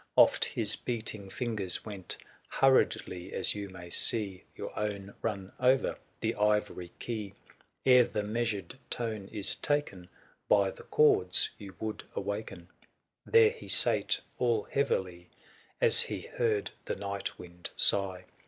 Oft his beating fingers went. Hurriedly, as you may see 470 Your own run over the ivory key. Ere the measured tone is taken ) By the chords you would awaken. THE SIEGE OF CORINTH. 29 There he sate all heavily, As he heard the night wind sigh.